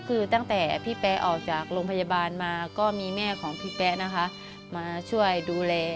คือตั้งแต่พี่แป๊ออกจากโรงพยาบาลมาก็มีแม่ของพี่แป๊ะนะคะมาช่วยดูแล